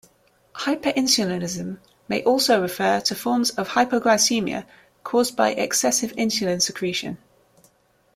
Hyperinsulinism may also refer to forms of hypoglycemia caused by excessive insulin secretion.